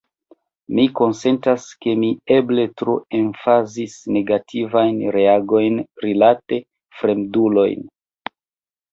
Mi konsentas, ke mi eble tro emfazis negativajn reagojn rilate fremdulojn.